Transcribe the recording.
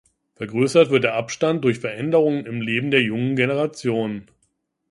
Vergrößert wird der Abstand durch Veränderungen im Leben der jungen Generation.